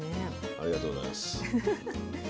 ありがとうございます。